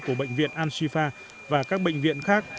của bệnh viện ansifa và các bệnh viện khác